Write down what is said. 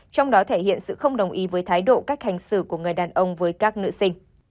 trong đó thể hiện sự không đồng ý với thái độ cách hành xử của người đàn ông với các nữ sinh